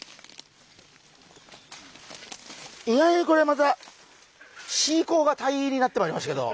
意外にこれまたシーコーがタイイーになってまいりましたけど。